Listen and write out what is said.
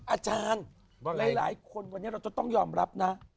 อาจารย์หลายคนวันนี้เราจะต้องยอมรับนะ